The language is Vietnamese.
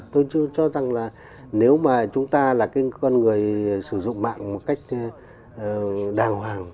tôi chưa cho rằng là nếu mà chúng ta là con người sử dụng mạng một cách đàng hoàng